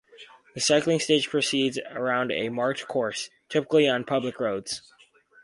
The cycling stage proceeds around a marked course, typically on public roads.